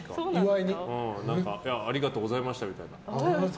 ありがとうございましたみたいな。